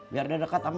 bacak terima kasih